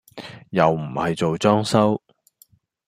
又唔係做裝修